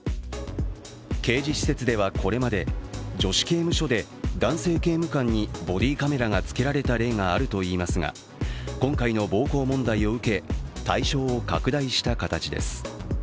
刑事施設ではこれまで、女子刑務所で男性刑務官にボディーカメラが着けられた例があるといいますが今回の暴行問題を受け対象を拡大した形です。